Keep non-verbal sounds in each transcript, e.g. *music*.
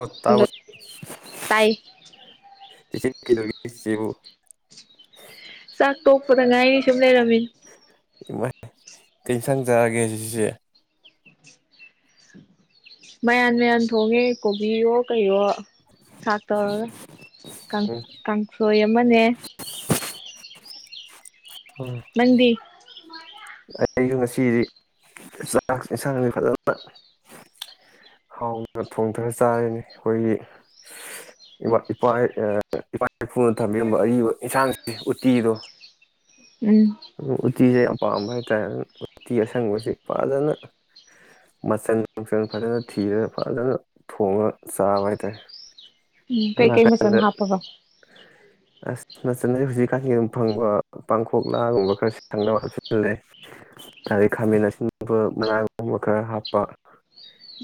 ꯑꯣ ꯍꯜꯂꯣ ꯇꯥꯕ꯭ꯔꯣ ꯇꯥꯏ ꯁꯤꯨ ꯆꯥꯛ ꯇꯣꯛꯄꯗ ꯉꯥꯏꯅꯤ ꯁꯨꯝ ꯂꯩꯔꯝꯃꯤꯅꯤ ꯀ ꯁꯪꯖꯔꯒꯦ ꯁꯤꯁꯦ ꯃꯌꯥꯟ ꯃꯌꯥꯝꯟ ꯊꯣꯡꯉꯦ ꯀꯣꯕꯤꯌꯣ ꯀꯩꯌꯣ ꯆꯥꯛ ꯇꯧꯔꯒ ꯀꯥꯡ ꯎꯝ ꯀꯥꯡꯁꯣꯏ ꯑꯃꯅꯦ ꯎꯝ ꯎ ꯑꯩ ꯑꯩꯁꯨ ꯉꯁꯤꯗꯤ ꯆꯥꯛ ꯏꯟꯁꯥꯡꯁꯤ ꯐꯖꯅ ꯍꯥꯎꯗꯅ ꯊꯣꯡꯊꯅ ꯆꯥꯔꯤꯅꯤ ꯑꯩꯈꯣꯏꯒꯤ ꯏꯄꯥ ꯏꯄꯥ ꯏꯄꯨꯅ ꯊꯝꯕꯤꯔꯝꯕ ꯑꯔꯤꯕ ꯏꯟꯁꯥꯡꯁꯤ ꯎꯇꯤꯗꯣ ꯎꯝ ꯀꯤꯦ ꯄꯥꯝꯕ ꯍꯥꯏꯇꯥꯔꯦ ꯑꯗꯨ ꯎꯇꯤ ꯑꯁꯪꯕꯁꯤ ꯐꯖꯅ ꯃꯆꯜ ꯅꯨꯡꯁꯪ ꯐꯖꯅ ꯊꯤꯔꯒ ꯐꯖꯅ ꯊꯣꯡꯉꯒ ꯆꯥꯕ ꯍꯥꯏ ꯇꯔꯦ ꯎꯝ ꯀꯩꯀꯩ ꯃꯆꯜ ꯍꯥꯞꯄꯕ ꯅꯠꯇꯅ ꯍꯧꯖꯤꯛꯀꯥꯟꯒꯤ ꯑꯗꯨꯝ ꯐꯪꯕ ꯄꯥꯡꯈꯣꯛꯂꯥꯒꯨꯝꯕ ꯈꯔ ꯁꯪꯅꯕ ꯍꯥꯞꯆꯜꯂꯦ ꯑꯗꯩ ꯈꯥꯃꯦꯟ ꯑꯁꯤꯕ ꯃꯔꯅꯥꯒꯨꯝꯕ ꯈꯔ ꯍꯥꯞꯄ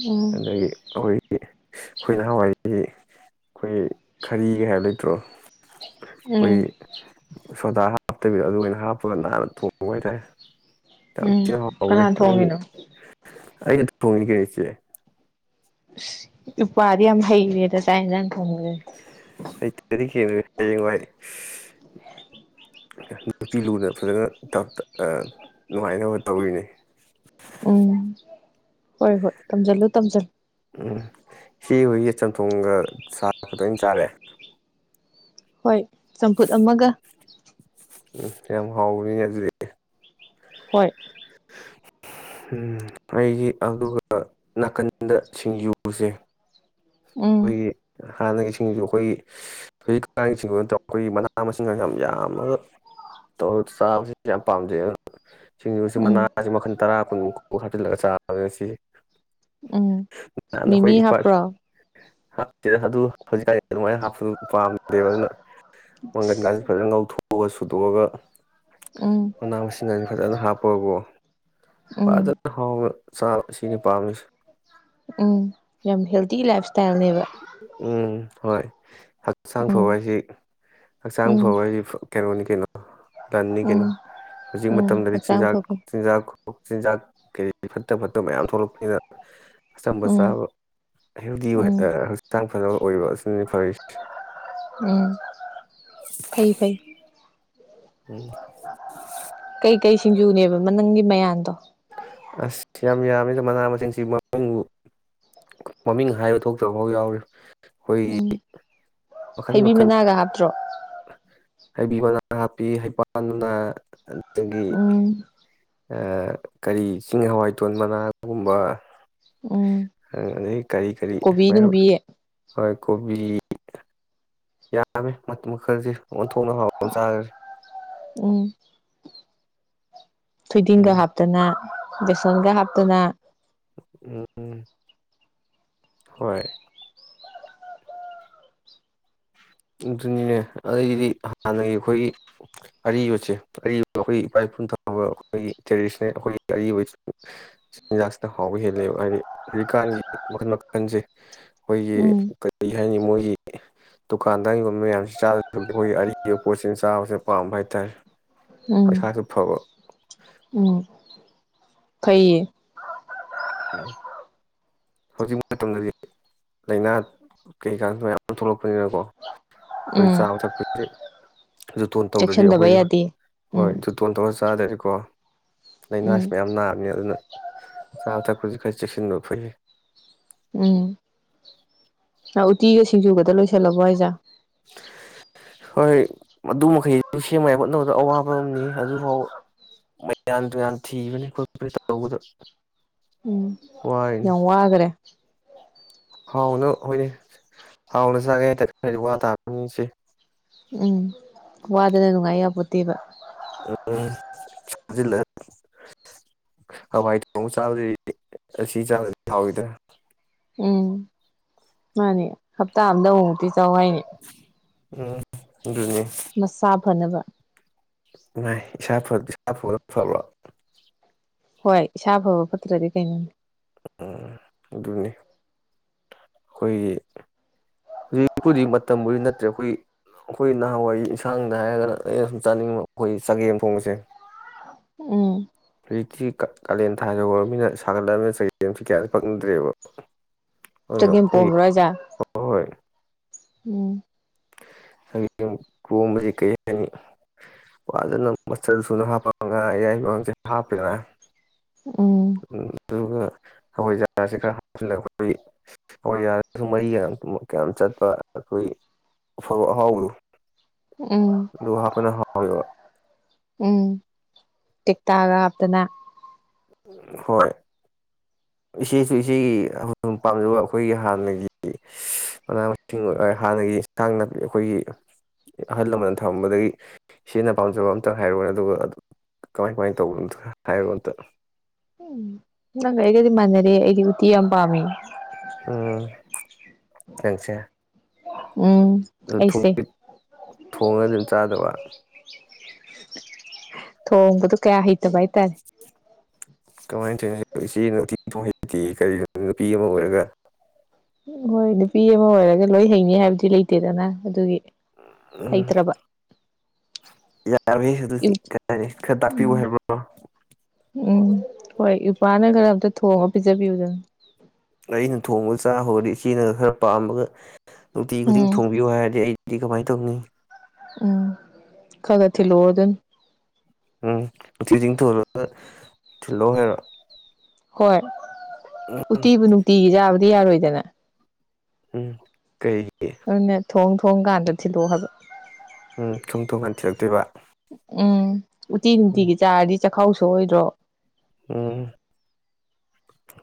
ꯎꯝ ꯑꯗꯒꯤ ꯑꯩꯈꯣꯏꯒꯤ ꯑꯩꯈꯣꯏ ꯅꯥꯟꯋꯥꯏꯁꯤ ꯑꯩꯈꯣꯏ ꯈꯔꯤꯒ ꯍꯥꯏꯕ ꯂꯩꯇ꯭ꯔꯣ ꯎꯝ ꯑꯩꯈꯣꯏ ꯁꯣꯗꯥ ꯍꯥꯞꯇꯕꯤꯗꯣ ꯑꯗꯨ ꯑꯣꯏꯅ ꯍꯥꯞꯄꯒ ꯅꯥꯟꯅ ꯊꯣꯡꯕ ꯍꯥꯏꯇꯥꯔꯦ ꯇ ꯎꯝ ꯁꯤ ꯍꯥꯎꯈ꯭ꯔꯦ ꯀꯅꯥ ꯑꯗꯨꯒꯤ ꯊꯣꯡꯉꯤꯅꯣ ꯑꯩꯅ ꯐꯅꯤ ꯀꯆꯦ ꯎꯄꯥꯗꯤ ꯌꯥꯝ ꯍꯩꯔꯦꯗ ꯇꯥꯏꯅꯅ ꯍ ꯍꯌꯦꯡꯉꯗꯤ ꯅꯨꯄꯤ ꯂꯨꯅ ꯐꯖꯅ ꯅꯨꯡꯉꯥꯏꯅꯕ ꯇꯧꯔꯤꯅꯤ ꯎꯝ ꯍꯣꯏ ꯍꯣꯏ ꯇꯝꯖꯜꯂꯨ ꯇꯝꯖꯜꯂꯨ ꯎꯝ ꯁꯤ ꯍꯌꯦ ꯆꯝꯊꯣꯡꯒ ꯁꯥꯒ ꯇꯣꯏꯅ ꯆꯥꯔꯑꯦ ꯍꯣꯏ ꯆꯝꯐꯨꯠ ꯑꯃꯒ ꯎꯝ ꯌꯥꯝ ꯍꯥꯎꯅꯤꯅꯦ ꯑꯗꯨꯗꯤ ꯍꯣꯏ ꯑꯩꯒꯤ ꯑꯗꯨꯒ ꯅꯥꯀꯟꯗ ꯁꯤꯡꯖꯨꯁꯦ ꯎꯝ ꯑꯩꯣꯏ ꯍꯥꯟꯅꯒꯤ ꯁꯤꯡꯁꯨ ꯑꯩꯈꯣꯏꯒꯤ ꯍꯧꯖꯤꯛ ꯀꯛꯥꯡꯤꯡ ꯇꯧ ꯑꯩꯈꯣꯏꯒꯤ ꯃꯅꯥ ꯃꯁꯤꯡꯒ ꯌꯥꯝ ꯌꯥꯝꯃꯒ ꯇꯧꯔꯒ ꯆꯥꯕꯁꯤ ꯌꯥꯝ ꯄꯥꯝꯖꯩ ꯑꯗꯨ ꯁꯤ ꯎꯝ ꯃꯅꯥꯁꯤ ꯃꯈꯜ ꯇꯥ ꯀꯨꯟꯃꯨ ꯍꯥꯞꯆꯤꯜꯂꯒ ꯆꯥ ꯑꯗꯨ ꯁꯤ ꯎꯝ ꯃꯤꯃꯤ ꯍꯥꯞꯄ꯭ꯔꯣ ꯍꯥꯔ ꯑꯗꯨ ꯐ ꯍꯥ ꯑꯗꯨ ꯄꯥꯝꯗꯦꯕ ꯑꯗꯨꯅ ꯃꯪꯒꯟ ꯀꯥꯁꯦ ꯐꯖꯅ ꯉꯧꯊꯣꯛꯑ ꯊꯑꯒ ꯁꯨꯗꯣꯛꯑꯒ ꯎꯝ ꯃꯅꯥ ꯃꯁꯤꯡ ꯑꯅꯤ ꯐꯖꯅ ꯍꯥꯞꯄ ꯍꯣꯏꯕꯣ ꯎꯝ ꯐꯖꯅ ꯍꯥꯎꯕ ꯆꯥꯕ ꯁꯤꯅꯤ ꯄꯥꯝꯃꯤꯁꯦ ꯎꯝ ꯌꯥꯝ ꯍꯦꯜꯗꯤ ꯂꯥꯏꯞ ꯏꯁꯇꯥꯏꯜꯅꯦꯕ ꯎꯝ ꯍꯣꯏ ꯍꯛꯆꯥꯡ ꯐꯕ ꯎꯝ ꯍꯥꯏꯁꯤ ꯍꯛꯆꯥꯡ ꯎꯝ ꯐꯕ ꯍꯥꯏꯁꯤ ꯀꯩꯅꯣꯅꯤ ꯀꯣ ꯂꯟꯅꯤ ꯀꯩꯅꯣ ꯎꯝ ꯍꯧꯖꯤꯛ ꯎꯝ ꯃꯇꯝꯗꯗꯤ ꯍꯛꯆꯥꯡ ꯆꯤꯔꯥꯛ ꯐꯕꯅꯤ ꯆꯤꯔꯥꯛ ꯆꯤꯟꯖꯥꯛ ꯀꯔꯤ ꯐꯠꯇ ꯐꯠꯇꯕ ꯃꯌꯥꯝ ꯊꯣꯛꯂꯛꯄꯅꯤꯅ ꯎꯝ ꯁꯝꯕꯁꯗꯤ ꯎꯝ ꯐꯖꯕ ꯑꯣꯏꯕ ꯅꯤ ꯐꯔꯁ ꯎꯝ ꯐꯩ ꯐꯩ ꯎꯝ ꯀꯩꯀꯩ ꯁꯤꯡꯖꯨꯅꯦꯕ ꯅꯪꯒꯤ ꯃꯌꯥꯗꯣ ꯑꯁ ꯌꯥꯝ ꯌꯥꯝꯃꯤ ꯑ ꯃꯅꯥ ꯃꯁꯤꯡꯁꯤ ꯃꯃꯤꯡꯕꯨ ꯃꯃꯤꯡ ꯍꯥꯏꯕ ꯊꯣꯛꯇꯕꯐꯥꯎ ꯌꯥꯎꯔꯤ ꯑꯩꯈꯣꯏꯒꯤ ꯎꯝ ꯃꯈꯟ ꯊꯩꯕꯤ ꯃꯈꯟ ꯃꯅꯥꯒ ꯍꯥꯞꯇ꯭ꯔꯣ ꯍꯩꯕꯤ ꯃꯅꯥ ꯍꯥꯞꯄꯤ ꯍꯩꯄꯥꯜꯅ ꯇꯒꯤꯤ ꯎꯝ ꯀꯔꯤ ꯆꯤꯡ ꯍꯋꯥꯏ ꯇꯣꯟ ꯃꯅꯥꯒꯨꯝꯕ ꯎꯝ ꯑꯗꯨꯗꯒꯤ ꯀꯔꯤ ꯀꯔꯤ ꯀꯣꯕꯤ ꯃꯌꯥꯝ ꯅꯨꯡꯕꯤ ꯍꯣꯏ ꯀꯣꯕꯤ ꯌꯥꯃꯤꯦ ꯃ ꯃꯈꯔꯖꯤ ꯑꯃꯨꯛ ꯊꯣꯡꯅ ꯍꯥꯎꯕ ꯆꯥꯈ꯭ꯔꯦ ꯎꯝ ꯊꯣꯏꯗꯤꯡꯒ ꯎꯝ ꯍꯥꯞꯇꯅ ꯕꯦꯁꯣꯟꯒ ꯍꯥꯞꯇꯨꯅ ꯎꯝ ꯍꯣꯏ ꯑꯗꯨꯅꯤꯅꯦ ꯑꯗꯨꯗꯤ ꯍꯥꯟꯅꯒꯤ ꯑꯩꯈꯣꯏꯒꯤ ꯑꯔꯤꯕꯁꯦ ꯑꯔꯤꯕ ꯑꯩꯈꯣꯏꯒꯤ ꯏꯄꯥ ꯏꯄꯨ ꯊꯥꯕ ꯑꯩꯈꯣꯏꯒꯤ ꯇ꯭ꯔꯦꯗꯤꯁꯅꯦꯜ ꯑꯩꯈꯣꯏꯒꯤ ꯑꯔꯤꯕ ꯆꯤꯟꯖꯥꯛꯁꯤꯗ ꯍꯥꯎꯕ ꯍꯦꯜꯂꯦꯕ ꯍꯥꯏꯗꯤ ꯍꯧꯖꯤꯛꯀꯥꯟꯒꯤ ꯃꯈꯜ ꯃꯈꯜꯁꯦ ꯑꯩꯈꯣꯏꯒꯤ ꯎꯝ ꯀꯔꯤ ꯍꯥꯏꯅꯤ ꯃꯣꯏꯒꯤ ꯗꯨꯀꯥꯟꯗꯔꯤꯒꯨꯝꯕ ꯃꯌꯥꯝꯁꯤ ꯆꯥꯗ ꯑꯩꯈꯣꯏꯒꯤ ꯑꯔꯤꯕ ꯄꯣꯠꯁꯤꯅ ꯆꯥꯕꯁꯦ ꯄꯥꯝꯕ ꯍꯥꯏꯇꯥꯔꯦ ꯎꯝ ꯄꯩꯁꯁꯨ ꯐꯕꯣ ꯎꯝ ꯐꯩꯌꯦ ꯍꯧꯖꯤꯛ ꯃꯇꯝꯗꯗꯤ ꯂꯥꯏꯅꯥ ꯀꯩꯀꯥ ꯃꯌꯥꯝ ꯊꯣꯛꯂꯛꯄꯅꯤꯅꯀꯣ ꯑꯩꯣꯏ ꯎꯝ ꯆꯥ ꯊ ꯎꯝ ꯖꯨꯇꯣꯟ ꯇꯧꯔꯗꯤ ꯆꯦꯛꯁꯤꯟꯗꯕ ꯑꯩꯈꯣꯏ ꯌꯥꯗꯦ ꯍꯣꯏ ꯎꯝ ꯨꯇꯣꯟ ꯇꯧꯔ ꯆꯥꯗꯔꯤꯀꯣ ꯎꯝ ꯂꯥꯏꯅꯥꯁꯤ ꯃꯌꯥꯝ ꯅꯥꯕꯅꯤ ꯑꯗꯨꯅ ꯆꯥꯕ ꯊꯛꯄꯁꯤ ꯆꯦꯛꯁꯤꯟꯕ ꯐꯩꯏ ꯎꯝ ꯎꯇꯤꯒ ꯁꯤꯡꯖꯨꯒꯗ ꯂꯣꯏꯁꯤꯜꯂꯕꯣ ꯍꯥꯏꯖꯥ *inaudible* ꯍꯣꯏ ꯑꯗꯨ ꯃꯈꯩꯗꯨ ꯁꯦꯝꯕ ꯌꯥ ꯍꯣꯠꯅꯕꯗ ꯑꯋꯥꯕ ꯑꯃꯅꯤ ꯑꯗꯨꯐꯥꯎ ꯃꯌꯥꯝꯟ ꯌꯥꯟ ꯊꯤꯕꯅꯤ ꯈꯣꯠꯄ ꯇꯧꯕꯗ ꯎꯝ ꯋꯥꯔꯤꯅꯤ ꯌꯎꯋꯥꯒ꯭ꯔꯦ *inaudible* ꯍꯥꯎꯅ ꯍꯣꯏꯅꯦ ꯍꯥꯎꯅ ꯆꯥꯒꯦ ꯍꯦꯗꯛ ꯈꯔꯗꯤ ꯋꯥ ꯇꯥꯕꯅꯤꯁꯦ ꯎꯝ ꯋꯥꯗꯅ ꯅꯨꯡꯉꯥꯏ ꯌꯥꯕꯗꯦꯕ ꯎꯝꯖꯤꯜꯂ ꯍꯋꯥꯏ ꯊꯣꯡ ꯆꯥꯕꯗ ꯑꯁꯤ ꯆꯥꯕꯗꯤ ꯍꯥꯎꯋꯤꯗ ꯎꯝ ꯃꯥꯅꯦ ꯍꯞꯇꯥ ꯑꯝꯗ ꯍꯨ ꯄꯤ ꯇꯋꯥꯏꯅꯤ ꯎꯝ ꯑꯗꯨꯅꯤ ꯃꯁꯥ ꯐꯅꯕ ꯐ ꯏꯁꯥ ꯄꯨꯔ ꯊꯣꯛꯂꯣ *inaudible* ꯍꯣꯏ ꯏꯁꯥ ꯐꯕ ꯐꯠꯇ꯭ꯔꯗꯤ ꯀꯩꯅꯣꯅꯤ ꯑꯗꯨꯅꯤ ꯑꯩꯈꯣꯏꯒꯤ ꯍꯧꯖꯤꯛꯄꯨꯗꯤꯛ ꯃꯇꯝꯕꯨꯗꯤ ꯅꯠꯇ꯭ꯔꯦ ꯑꯩꯈꯣꯏ ꯑꯩꯈꯣꯏ ꯅꯍꯥꯟꯋꯥꯏ ꯌꯦꯟꯁꯥꯡꯗ ꯍꯥꯏꯔꯒꯅ ꯑꯩꯅ ꯁꯨꯝ ꯆꯥꯅꯤꯡꯕ ꯑꯩꯈꯣꯏ ꯆꯒꯦꯝ ꯊꯣꯡꯕꯁꯦ ꯎꯝ ꯍꯧꯖꯤꯛꯇꯤ ꯀꯥꯂꯦꯟ ꯊꯥ ꯌ ꯍꯧꯔꯕꯃꯤꯅ ꯁꯥꯒꯠꯂꯕꯃꯤꯅ ꯆꯜꯁꯤ ꯀꯌꯥꯁꯨ ꯐꯪꯅꯗ꯭ꯔꯦꯕ ꯆꯒꯦꯝ ꯑꯗꯨꯅꯈꯏ ꯄꯣꯝꯕ꯭ꯔꯣ ꯍꯥꯏꯖꯦ ꯑ ꯍꯣꯏ ꯎꯝ ꯁꯒꯦꯝ ꯀꯣꯝꯕꯁꯤ ꯀꯔꯤ ꯍꯥꯏꯅꯤ ꯋꯥꯖꯅ ꯃꯆꯜ ꯁꯨꯅ ꯍꯥꯞꯄ ꯉ ꯌꯥꯌꯥꯏꯕꯥꯡꯁꯦ ꯍꯥꯞꯄꯦꯔ ꯎꯝ ꯑꯗꯨꯒ ꯍꯈꯏꯖꯥꯔꯁꯤ ꯈꯔ ꯍꯥꯞꯆꯤꯂ ꯑꯩꯈꯣꯏ ꯍꯋꯥꯏꯖꯥꯔꯁꯨ ꯃꯔꯤꯒ ꯀꯌꯥꯝ ꯆꯠꯄ ꯑꯩꯈꯣꯏ ꯐꯣꯔ ꯑꯍꯥꯎꯗꯨ ꯎꯝ ꯑꯗꯨ ꯍꯥꯞꯄꯅ ꯍꯥꯎꯋꯦꯕ ꯎꯝ ꯇꯦꯛꯇꯥꯒ ꯍꯥꯞꯇꯅ ꯍꯣꯏ ꯏꯆꯦꯁꯨ ꯏꯆꯦꯒꯤ ꯍꯧ ꯄꯥꯝꯖꯕ ꯑꯩꯈꯣꯏꯒꯤ ꯍꯥꯟꯅꯒꯤ ꯃꯅꯥ ꯃꯁꯤꯡ ꯑꯣꯏ ꯍꯥꯟꯅꯒꯤ ꯏꯟꯁꯥꯡ ꯅꯥꯄꯤ ꯑꯩꯈꯣꯏꯒꯤ ꯑꯍꯜ ꯂꯃꯟꯅ ꯊꯔꯝꯕꯗꯒꯤ ꯏꯆꯦꯅ ꯄꯥꯝꯖꯕ ꯑꯝꯇ ꯍꯥꯏꯔꯨꯔꯅꯦ ꯑꯗꯨꯒ ꯀꯃꯥꯏ ꯀꯃꯥꯏꯅ ꯇꯧꯕꯅꯣ ꯑꯝꯇ ꯍꯥꯏꯔꯣ ꯑꯝꯇ ꯎꯝ ꯅꯪ ꯍꯦꯒꯗꯤ ꯃꯅꯦꯔꯤꯦ ꯍꯒꯤꯤ ꯄꯥꯥꯝꯕꯤ ꯀꯆꯥ ꯎ ꯑꯗꯨ ꯊꯣꯡꯉꯒ ꯑꯗꯨꯝ ꯆꯥꯗꯕ ꯊꯒꯗꯨ ꯀꯌꯥ ꯍ ꯩ ꯇꯔꯦ ꯀꯃꯥꯏꯅ ꯊꯧꯅ ꯏꯆꯦ ꯅꯨꯡꯇꯤ ꯄꯍꯩꯇꯦ ꯀꯔꯤꯅꯣ ꯅꯨꯄꯤ ꯑꯃ ꯑꯣꯏꯔꯒ ꯍꯣꯏ ꯅꯨꯄꯤ ꯑꯃ ꯑꯣꯏꯔꯒ ꯂꯣꯏ ꯍꯩꯅꯤ ꯍꯥꯏꯕꯗꯤ ꯂꯩꯇꯦꯗꯅ ꯑꯗꯨꯒꯤ ꯍꯩꯇ꯭ꯔꯕ ꯌꯥꯔ ꯎꯝ ꯀ ꯈꯔ ꯇꯥꯛꯄꯤꯕ ꯍꯥꯏꯔꯕ꯭ꯔꯣ ꯎꯝ ꯍꯣꯏ ꯏꯄꯥꯅ ꯈꯔ ꯑꯝꯇ ꯊꯣꯡꯉ ꯄꯤꯖꯕꯤꯌꯨꯗꯅ ꯑꯩꯅ ꯊꯣꯡꯕꯗ ꯆꯥꯍꯔꯗꯤ ꯏꯆꯦꯅ ꯈꯔ ꯄꯥꯝꯃꯒ ꯅꯨꯡꯇꯤ ꯈꯨꯗꯤꯡ ꯎꯝ ꯊꯣꯡꯕꯤꯌꯨ ꯍꯥꯏꯔꯗꯤ ꯑꯩ ꯀꯃꯥꯏꯅ ꯇꯧꯅꯤ ꯎꯝ ꯈꯒ ꯊꯤꯂꯣ ꯑꯣꯗꯅ ꯎꯝꯤꯁꯤꯡ ꯊ ꯊꯤꯜꯂꯣ ꯍꯥꯏꯔꯣ ꯍꯣꯏ ꯎꯝ ꯎꯇꯤꯕꯨ ꯅꯨꯡꯇꯤꯒꯤ ꯌꯥꯥꯕꯗꯤ ꯌꯥꯔꯣꯏꯗ ꯗꯅ ꯎꯝ ꯀꯩ ꯑꯟꯅ ꯊꯣꯡ ꯊꯣꯡꯒꯥꯟꯗ ꯊꯤꯜꯂꯛꯑꯣ ꯍꯥꯏꯕ ꯎꯝ ꯊꯨꯝ ꯊꯨꯝ ꯍꯟꯊꯤꯔꯛꯇꯣꯏꯕ ꯇꯤꯟ ꯇꯒꯤ ꯆꯥ ꯆꯈꯥꯎꯁꯨ ꯑꯣꯏꯗ꯭ꯔꯣ ꯎꯝ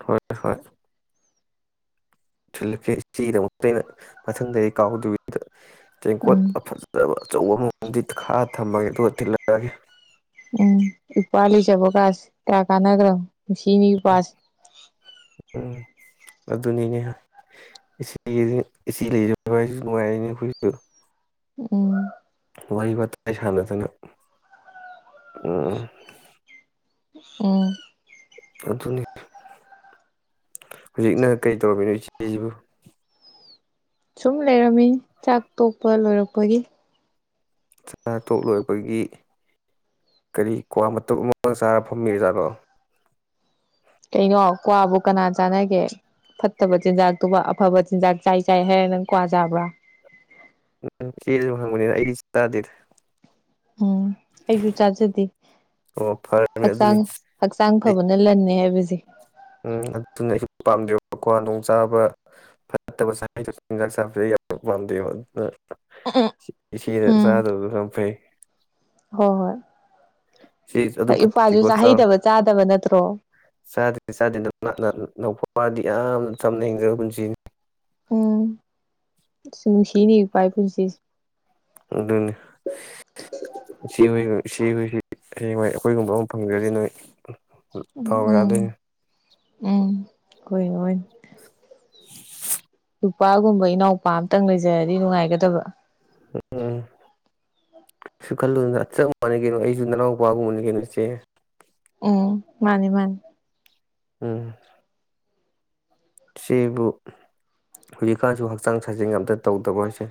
ꯍ ꯍꯣꯏ ꯂꯛ ꯁꯤꯗꯃꯛꯇ ꯑꯩꯅ ꯃꯊꯪꯗꯗꯤ ꯀꯥꯎꯗ ꯇꯦꯝ ꯀꯣꯠ ꯎꯝ ꯐ ꯑꯆꯧꯕ ꯃꯑꯣꯡꯗꯗꯤ ꯈꯥꯔ ꯊꯝꯃꯒꯦ ꯑꯗꯨꯒ ꯊꯤꯜꯂꯛꯑꯒꯦ ꯎꯝ ꯏꯄꯥꯂꯤ ꯆꯕ ꯀꯥꯥꯁ ꯇꯥ ꯀꯥꯅꯒ꯭ꯔꯣ ꯁꯤꯅꯤꯒꯤ ꯄꯥꯁ ꯎꯝ ꯑꯗꯨꯅꯤꯅꯦ ꯏꯆꯦ ꯏꯆꯦ ꯂꯩꯖꯕ ꯍꯥꯏꯁꯨ ꯅꯨꯡꯉꯥꯏꯔꯅꯦ ꯑꯩꯈꯣꯏꯁꯨ ꯎꯝ ꯋꯥꯔꯤ ꯋꯥꯇꯥꯏ ꯁꯥꯟꯅꯗꯅ ꯑ ꯎꯝ ꯑꯗꯨꯅꯤ ꯍꯧꯖꯤꯛꯅ ꯀꯩ ꯇꯧꯔꯝꯃꯤꯅꯣ ꯏꯆꯦꯁꯤꯕꯨ ꯁꯨꯝ ꯂꯩꯔꯝꯃꯤ ꯆꯥꯛ ꯇꯣꯛꯄ ꯂꯣꯏꯔꯛꯄꯒꯤ ꯆꯥꯊꯣꯛ ꯂꯣꯏꯕꯒꯤ ꯀꯔꯤ ꯀ꯭ꯋꯥ ꯃꯇ ꯑꯃꯒ ꯆꯥꯔ ꯐꯝꯃꯤꯔꯤꯖꯥꯠꯅꯣ ꯀꯩꯅꯣ ꯀ꯭ꯋꯥꯕꯨ ꯀꯅꯥ ꯆꯥꯅꯒꯦ ꯐꯠꯇꯕ ꯆꯤꯟꯖꯥꯛꯇꯨꯕ ꯑꯐꯕ ꯆꯤꯟꯖꯥꯛ ꯆꯥꯏ ꯆꯥꯏ ꯍꯥꯏꯔ ꯅꯪ ꯀ꯭ꯋꯥ ꯆꯥꯕ꯭ꯔꯥ ꯎꯝ ꯏꯦ ꯑꯗꯨ ꯍꯪꯕꯅꯤꯅ ꯑꯩꯗꯤ ꯆꯥꯗꯦꯗ ꯎꯝ ꯑꯩꯁꯨ ꯆꯥꯖꯗꯦ ꯑꯣ ꯐꯔꯕꯅꯦ ꯍꯛꯆꯥꯡ ꯑꯗꯨꯅꯤ ꯍꯛꯆꯥꯡ ꯑꯩ ꯐꯕꯅ ꯂꯟꯅꯦ ꯍꯥꯏꯕꯁꯦ ꯎꯝ ꯑꯗꯨꯅ ꯑꯩ ꯄꯥꯝꯗꯦꯕ ꯀ꯭ꯋꯥꯗꯣꯡ ꯆꯥꯕ ꯐꯠꯇꯕ ꯆꯩꯗꯨ ꯆꯤꯟꯖꯥꯛ ꯆꯥꯕꯁꯤ ꯌꯥꯝ ꯄꯥꯝꯗꯦꯕ ꯑꯗꯨꯅ *unintelligible* ꯏꯆꯦꯗ ꯎꯝ ꯆꯥꯗꯕꯗ ꯌꯥꯝ ꯐꯩ ꯍꯣꯏ ꯍꯣꯏ ꯏꯆꯦ ꯑꯗꯨ ꯍꯣꯏ ꯏꯄꯥꯁꯨ ꯐꯠꯇꯦꯀꯣ ꯆꯥꯎ ꯆꯥꯍꯩꯗꯕ ꯆꯥꯗꯕ ꯅꯠꯇ꯭ꯔꯣ ꯅ ꯅꯄꯗꯤ ꯌꯥꯝ ꯆꯝꯅ ꯍꯤꯡꯖꯔ ꯄꯨꯟꯁꯤꯅꯤ ꯎꯝ ꯁ ꯅꯨꯡꯁꯤꯅꯦ ꯄꯥꯏ ꯄꯨꯟꯁꯤꯁ ꯑꯗꯨꯅꯤ ꯏꯆ ꯍꯣꯏ ꯏꯆꯦ ꯍꯣꯏꯁꯤ ꯍ ꯃꯥꯏ ꯑꯩꯈꯣꯏꯒꯨꯝꯕ ꯑꯃ ꯐꯪꯖꯔꯤ ꯅꯣꯏ ꯇꯧꯒꯦ ꯑꯗꯨ ꯑ ꯀꯣꯏ *unintelligible* ꯗꯨꯄꯥꯜꯒꯨꯝꯕ ꯏꯅꯥꯎꯄꯥ ꯑꯃꯇꯪ ꯂꯩꯖꯔꯗꯤ ꯅꯨꯡꯉꯥꯏꯒꯗꯕ ꯎꯝ ꯎꯝ ꯁꯨ ꯈꯜꯂꯨꯗꯅ ꯆꯞ ꯃꯥꯟꯅ ꯀꯩꯅꯣ ꯑꯩꯁꯨ ꯅꯅꯥꯎꯄꯥꯒꯨꯝ ꯃꯅꯤ ꯀꯦꯩꯅꯣ ꯏꯆꯦ ꯎꯝ ꯃꯥꯅꯤ ꯃꯥꯅꯤ ꯎꯝ ꯁꯤꯕꯨ ꯍꯧꯖꯤꯛꯀꯥꯟꯁꯨ ꯍꯛꯆꯥꯡ ꯁꯥꯖꯦꯟ ꯑꯇ ꯇꯧꯗꯕ ꯍꯥꯏꯁꯦ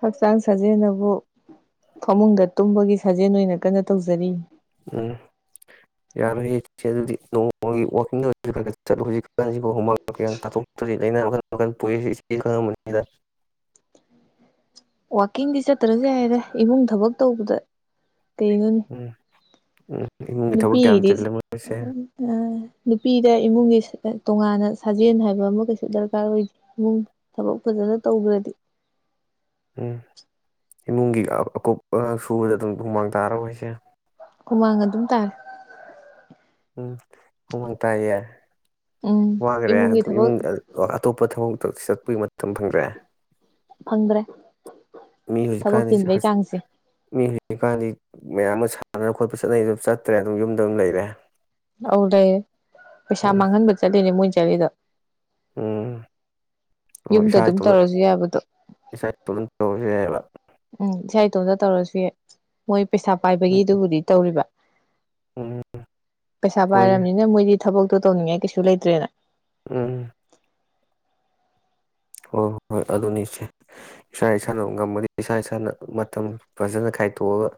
ꯍꯛꯆꯥꯡ ꯁꯥꯖꯦꯜ ꯑꯗꯨꯕꯨ ꯐꯃꯨꯡꯗ ꯇꯨꯝꯕꯒꯤ ꯁꯥꯖꯦꯜ ꯑꯣꯏꯅ ꯀꯟꯅ ꯇꯧꯖꯔꯤ ꯎꯝ ꯌꯥꯔꯣꯏꯌꯦ ꯏꯆꯦ ꯑꯗꯨꯗꯤ ꯅꯣꯡꯃꯒꯤ ꯋꯥꯛꯀꯤꯡꯗ ꯈ ꯆꯠꯂꯨ ꯍꯧꯖꯤꯛꯀꯁꯤꯣ ꯍꯨꯃꯥꯡ ꯀꯀ ꯇꯥꯊꯣꯛꯇ꯭ꯔꯔꯤ ꯂꯥꯏꯅꯥ ꯃꯈꯟ ꯃꯈꯜ ꯄꯣꯛꯏꯁꯤ ꯏꯆꯦ ꯈꯪꯉꯝꯅꯤꯗ ꯥꯛꯀꯤꯡꯗꯤ ꯆꯠꯇ꯭ꯔꯁꯨ ꯌꯥꯏꯔ ꯏꯃꯨꯡ ꯊꯕꯛ ꯇꯧꯕꯗ ꯀꯩꯅꯣ ꯎꯝ ꯎꯝ ꯏꯃꯨꯡꯒꯤ ꯊꯕꯛ ꯀꯌꯥꯝ ꯅꯨꯄꯤꯒꯤꯗꯤ ꯆꯤꯜꯂꯦ ꯃꯣꯏꯁꯦ ꯑ ꯅꯨꯄꯤꯗ ꯏꯃꯨꯡꯒꯤ ꯇꯣꯉꯥꯟꯅ ꯁꯥꯖꯦꯜ ꯍꯥꯏꯕ ꯑꯃ ꯀꯩꯁꯨ ꯗꯔꯀꯥꯔ ꯑꯣꯏꯗꯦ ꯏꯃꯨꯡ ꯊꯕꯛ ꯐꯖꯅ ꯇꯧꯈ꯭ꯔꯗꯤ ꯎꯝ ꯏꯃꯨꯡꯒꯤ ꯑꯀꯨꯞꯄ ꯁꯨꯕꯗ ꯑꯗꯨꯝ ꯍꯨꯃꯥꯡ ꯇꯥꯔꯔꯣꯏꯁꯦ ꯍꯨꯃꯥꯡ ꯑꯗꯨꯝ ꯇꯥꯔꯦ ꯎꯝ ꯍꯨꯃ ꯇꯔ ꯎꯝ ꯋꯥꯈꯔꯦ ꯏꯃꯨꯡꯒꯤ ꯑꯗꯨ ꯊꯕꯛ ꯏꯃꯨꯡ ꯑꯇꯣꯞꯄ ꯊꯕꯛꯇ ꯆꯠꯄꯩ ꯃꯇꯝ ꯐꯪꯗ꯭ꯔꯦ ꯐꯪꯗ꯭ꯔꯦ ꯃꯤ ꯊꯕꯛ ꯍꯧꯖꯤꯀꯥꯟꯗꯤ ꯆꯤꯟꯕꯩ ꯆꯥꯡꯁꯦ ꯃꯤ ꯍꯧꯖꯤꯀꯥꯟꯗꯤ ꯃꯌꯥꯝ ꯑꯃ ꯁꯥꯟꯅ ꯈꯣꯠꯄ ꯆꯠꯅꯩ ꯑꯗꯨꯝ ꯆꯠꯇ꯭ꯔꯦ ꯑꯗꯨꯝ ꯌꯨꯝꯗ ꯑꯗꯨꯝ ꯂꯩꯔꯦ ꯑꯧ ꯂꯩꯔꯦ ꯄꯩꯁꯥ ꯎꯝ ꯃꯥꯡꯍꯟꯕ ꯆꯠꯂꯤꯅꯦ ꯃꯣꯏ ꯆꯗ *unintelligible* ꯎꯝ ꯑꯣ ꯌꯨꯝꯗ ꯏꯁꯥ ꯑꯗꯨꯝ ꯏꯇꯣꯝꯇ ꯇꯧꯔꯁꯨ ꯌꯥꯕꯗꯣ ꯏꯁꯥ ꯏꯇꯣꯝꯇ ꯇꯧꯔꯁꯨ ꯌꯥꯌꯦꯕ ꯎꯝ ꯏꯁꯥ ꯏꯇꯣꯝꯇ ꯇꯧꯔꯁꯨ ꯃꯣꯏ ꯄꯩꯁꯥ ꯎꯝ ꯄꯥꯏꯕꯒꯤꯗꯨꯕꯨꯗꯤ ꯇꯧꯔꯤꯕ ꯎꯝ ꯄꯩꯁꯥ ꯍꯣꯏꯅꯦ ꯄꯥꯏꯔꯝꯅꯤꯅ ꯃꯣꯏꯗꯤ ꯊꯕꯛꯇꯣ ꯇꯧꯅꯤꯡꯉꯥꯏ ꯀꯩꯁꯨ ꯂꯩꯇ꯭ꯔꯦꯅ ꯎꯝ ꯍꯣ ꯍꯣ ꯍꯣꯏ ꯑꯗꯨꯅꯤ ꯏꯆꯦ ꯏꯁꯥ ꯏꯁꯥꯅ ꯉꯝꯃꯗꯤ ꯏꯁꯥ ꯏꯁꯥꯅ ꯃꯇꯝ ꯐꯖꯅ ꯈꯥꯏꯇꯣꯛꯑꯒ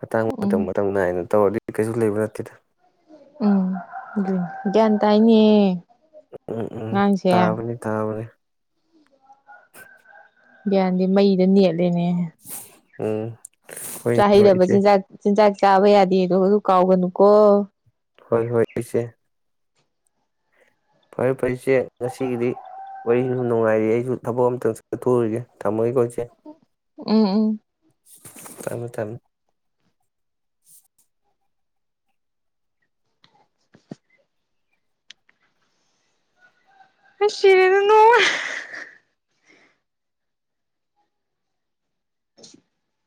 ꯃꯇꯥꯡ ꯃꯇꯝ ꯎꯝ ꯃꯇꯝ ꯅꯥꯏꯅ ꯇꯧꯔꯗꯤ ꯀꯩꯁꯨ ꯂꯩꯕ ꯅꯠ ꯀꯦꯗ ꯎꯝ ꯗꯨꯅꯤ ꯒ꯭ꯌꯥꯟ ꯇꯥꯏꯅꯤ ꯎꯝ ꯎꯝ ꯇꯥꯕꯅꯤ ꯇꯥꯕꯅꯤ ꯒ꯭ꯌꯥꯟꯗꯤ ꯃꯩꯗ ꯅꯦꯂꯦꯅꯦ ꯎꯝ ꯍꯣꯏ ꯆꯥ ꯍꯣꯏ ꯍꯩꯗꯕ ꯏꯆꯦ ꯆꯤꯟꯖꯥꯛ ꯆꯤꯟꯖꯥꯛ ꯆꯥꯕ ꯌꯥꯗꯦꯗꯣ ꯑꯑꯣ ꯀꯥꯎꯒꯅꯨꯀꯣ ꯍꯣꯏ ꯍꯣꯏ ꯏꯆꯦ ꯐꯔꯦ ꯐꯔꯦ ꯏꯆꯦ ꯉꯁꯤꯒꯤꯗꯤ ꯋꯥꯔꯤꯁꯨ ꯅꯨꯡꯉꯥꯏꯔꯤ ꯑꯩꯁꯨ ꯊꯕꯛ ꯑꯃꯇ ꯆꯠꯊꯣꯛꯎꯔꯤꯒꯦ ꯊꯝꯃꯒꯦꯀꯣ ꯏꯆꯦ ꯎꯝ ꯎꯝ ꯊꯃꯦ ꯊꯃꯦ ꯑꯩ ꯁꯤꯔꯤꯗ ꯅꯣ *inaudible*